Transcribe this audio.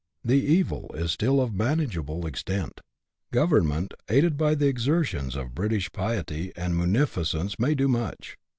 The evil is still of manageable extent. Government, aided by the exertions of British piety and munificence, may do much.